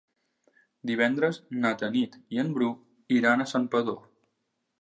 Divendres na Tanit i en Bru iran a Santpedor.